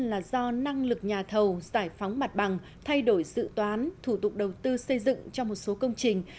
và do năng lực nhà thầu giải phóng mặt bằng thay đổi sự toán thủ tục đầu tư xây dựng trong một số công trình